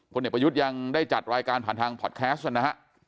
เด็กประยุทธ์ยังได้จัดรายการผ่านทางพอร์ตแคสต์นะฮะ